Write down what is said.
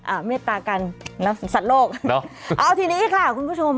เมตตากันนะสัตว์โลกอ่ะเนอะเอาทีนี้ค่ะคุณผู้ชม